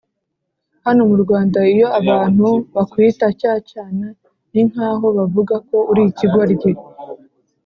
hano mu rwanda iyo abantu bakwita cyacyana ni nkaho bavuga ko uri ikigoryi,